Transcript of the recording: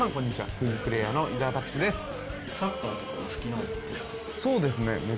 クイズプレイヤーの伊沢拓司です。